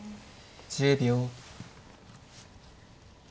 １０秒。